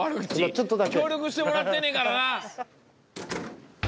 協力してもらってんねんからな！